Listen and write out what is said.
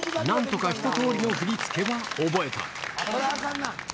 なんとか一とおりの振り付けは覚えた。